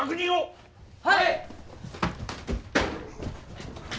はい！